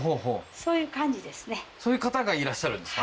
そういう方がいらっしゃるんですか？